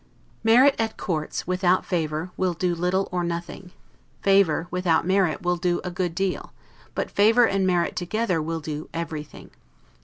Merit at courts, without favor, will do little or nothing; favor, without merit, will do a good deal; but favor and merit together will do everything.